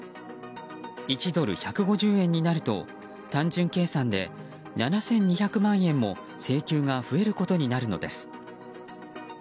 １ドル＝１５０円になると単純計算で７２００万円も請求が増えることになるのです。